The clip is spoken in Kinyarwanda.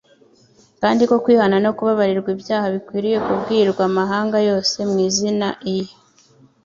kandi ko kwihana no kubabarirwa ibyaha bikwiriye kubwirwa amahanga yose mu izina iye,